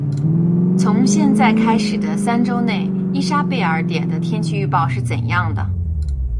从现在开始的三周内，伊莎贝尔点的天气预报是怎样的